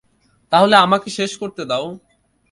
তাহলে আমাকে শেষ করতে দাও।